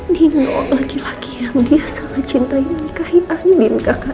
nino laki laki yang dia sangat cintai menikahi ani